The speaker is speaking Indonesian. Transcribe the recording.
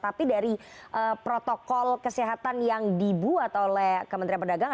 tapi dari protokol kesehatan yang dibuat oleh kementerian pedagang